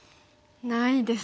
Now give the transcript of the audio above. ないですか？